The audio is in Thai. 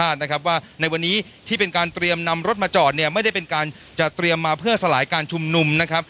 ว่าในวันนี้ที่เป็นการเตรียมนำรถมาจอดเนี่ยไม่ได้เป็นการจะเตรียมมาเพื่อสลายการชุมนุมนะครับ